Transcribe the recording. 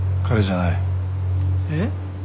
えっ？